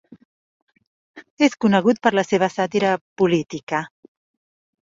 És conegut per la seva sàtira "política".